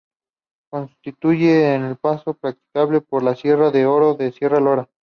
Constituye un paso practicable por la Sierra del Oro o Sierra Lora.